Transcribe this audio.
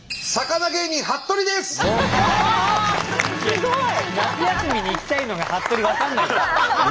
すごい！